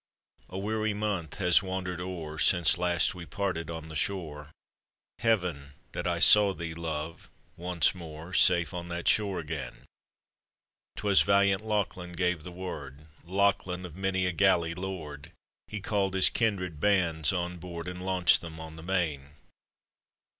] A. weary month has wandered o'er Since last we parted on the shore; Heaven ! that I saw thee, Love, once more, Safe on that shore again ! 'Twas valiant Lachlan gave the word: Lachlan, of many a galley lord: He called his kindred bands on board, And launcb'd them on the main.